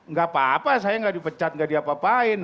gak apa apa saya gak dipecat gak diapa apain